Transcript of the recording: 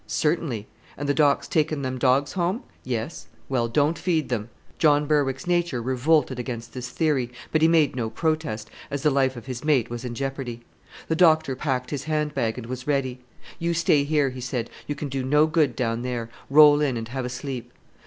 "Certainly." "And the Doc's taking them dogs home?" "Yes." "Well, don't feed them." John Berwick's nature revolted against this theory; but he made no protest, as the life of his mate was in jeopardy. The doctor packed his hand bag, and was ready. "You stay here," he said; "you can do no good down there. Roll in and have a sleep."